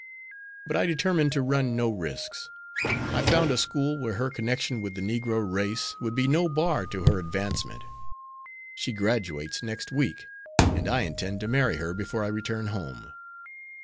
But I determined to run no risks. I found a school where her connection with the negro race would be no bar to her advancement. She graduates next week, and I intend to marry her before I return home.